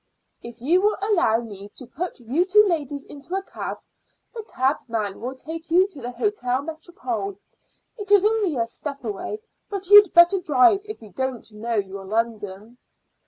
"If you will allow me to put you two ladies into a cab, the cabman will take you to the Hôtel Métropole. It's only a step away, but you'd better drive if you don't know your London."